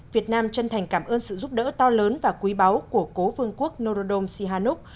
việt nam chân thành cảm ơn sự giúp đỡ to lớn và quý báu của cố vương quốc norodom sihanuk